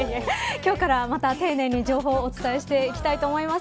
今日からまた丁寧に情報をお伝えしていきたいと思います。